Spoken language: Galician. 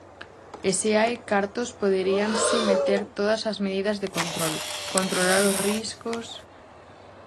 E se hai cartos poderíanse meter todas as medidas de control, controlar os riscos...